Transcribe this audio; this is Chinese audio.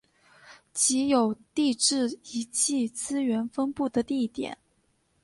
即有地质遗迹资源分布的地点。